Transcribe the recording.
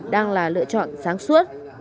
đang là lựa chọn sáng suốt